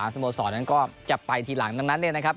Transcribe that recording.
๓สโมสรนั้นก็จะไปทีหลังนั้นเองนะครับ